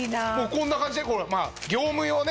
こんな感じで業務用ね。